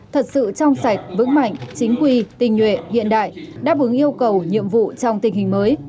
thật sự trong sạch vững mạnh chính quy tình nhuệ hiện đại đáp ứng yêu cầu nhiệm vụ trong tình hình mới